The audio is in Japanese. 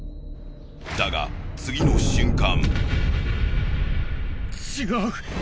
だが次の瞬間。